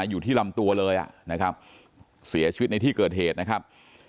อยู่ที่ลำตัวเลยนะครับเสียชีวิตในที่เกิดเหตุนะครับ